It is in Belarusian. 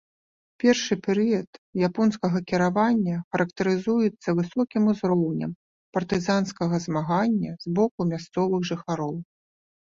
Першы перыяд японскага кіравання характарызуецца высокім узроўнем партызанскага змагання з боку мясцовых жыхароў.